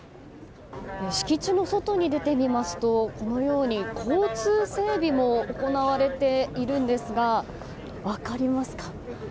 敷地の外に出てみますとこのように、交通整備も行われているんですが分かりますか。